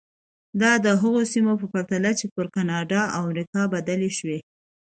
دا د هغو سیمو په پرتله چې پر کاناډا او امریکا بدلې شوې.